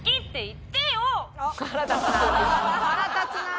腹立つなあ。